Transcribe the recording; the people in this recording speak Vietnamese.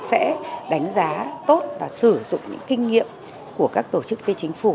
sẽ đánh giá tốt và sử dụng những kinh nghiệm của các tổ chức phi chính phủ